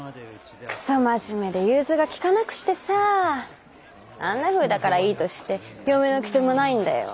くそ真面目で融通が利かなくってさあんなふうだからいい年して嫁の来手もないんだよ。